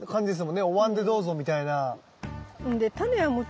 おわんで「どうぞ」みたいな。